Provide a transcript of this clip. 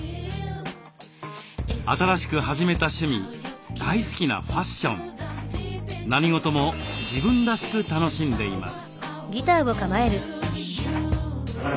新しく始めた趣味大好きなファッション何事も自分らしく楽しんでいます。